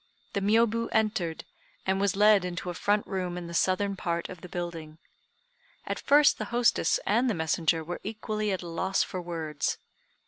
The Miôbu entered, and was led into a front room in the southern part of the building. At first the hostess and the messenger were equally at a loss for words.